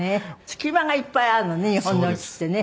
隙間がいっぱいあるのね日本の家ってね。